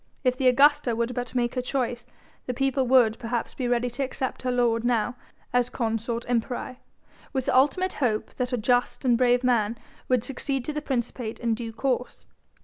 If the Augusta would but make her choice, the people would perhaps be ready to accept her lord now as Consort Imperii, with the ultimate hope that a just and brave man would succeed to the principate in due course.